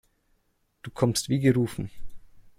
Du kommst wie gerufen.